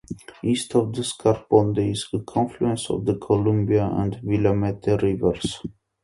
East of Scappoose is the confluence of the Columbia and Willamette Rivers.